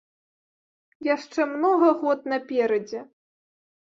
Яшчэ многа год наперадзе.